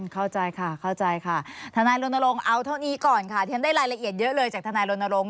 เข้าใจค่ะเข้าใจทนาลลนรงค์เอาแบบนี้ก่อน